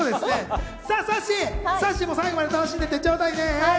さっしー、最後まで楽しんでいってちょうだいね。